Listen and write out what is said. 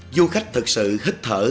du khách thực sự hít thở